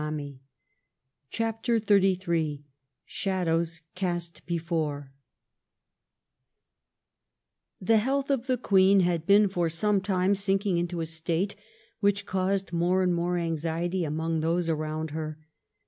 155 CHAPTEE XXXIII SHADOWS CAST BEFOEE The health of the Queen had been for some time sinking into a state which caused more and more anxiety among those around her.